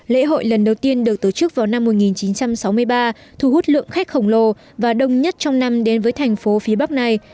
lễ hội lần đầu tiên được tổ chức vào năm một nghìn chín trăm sáu mươi ba thu hút lượng khách khổng lồ và đông nhất trong năm đến với thành phố phía bắc này